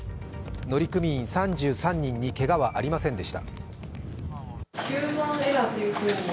乗組員３３人に、けがはありませんでした。